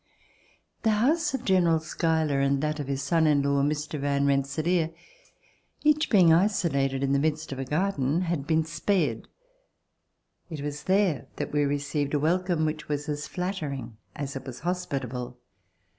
The house of General Schuyler and that of his son in law, Mr. Van Rensselaer, each being isolated in the midst of a garden, had been spared. It was there that we received a welcome which was as flattering as it was hospitable.